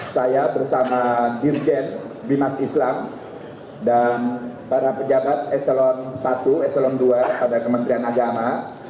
saya bersama dirjen bimas islam dan para pejabat eselon i eselon dua pada kementerian agama